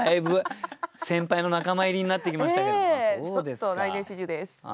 ちょっと来年４０です。